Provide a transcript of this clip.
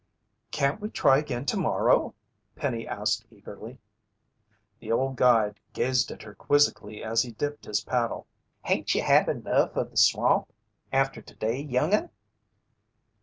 "Can't we try again tomorrow?" Penny asked eagerly. The old guide gazed at her quizzically as he dipped his paddle. "Hain't ye had enough o' the swamp after today, young'un?"